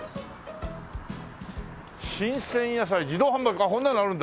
「新鮮野菜自動販売」あっこんなのあるんだ。